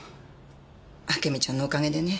あけみちゃんのおかげでね。